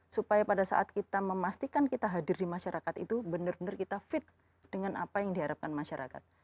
supaya pada saat kita memastikan kita hadir di masyarakat itu benar benar kita fit dengan apa yang diharapkan masyarakat